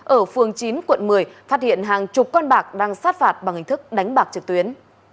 ở phường chín quận một mươi phát hiện hàng chục con bạc đang sát phạt bằng hình thức đánh bạc trực tuyến